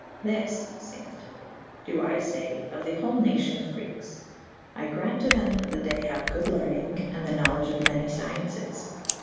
This (fayeth Tully) do I faye of the hole nacion of Grekes. I graunte to them that they haue good lernynge / and the knowlege of many fcyences.